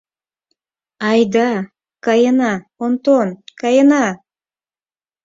Айда, каена, Онтон, каена!